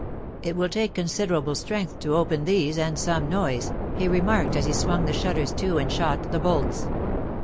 'It will take considerable strength to open these, and some noise,' he remarked as he swung the shutters to and shot the bolts.